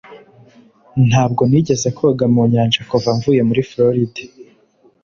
Ntabwo nigeze koga mu nyanja kuva mvuye muri Floride